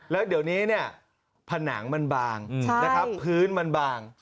แล้วเดี๋ยวนี้ผนังมันบางพื้นมันบาง